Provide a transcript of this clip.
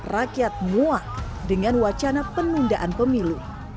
rakyat nguak dengan wacana penundaan pemilu